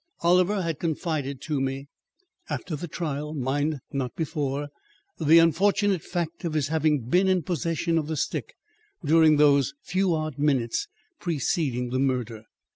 Oliver had confided to me (after the trial, mind, not before) the unfortunate fact of his having been in possession of the stick during those few odd minutes preceding the murder.